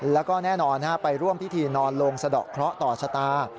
แล้วก็แน่นอนไปร่วมพิธีนอนลงสะดอกเคราะห์ต่อชะตา